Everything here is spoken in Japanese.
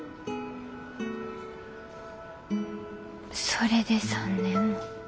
それで３年も。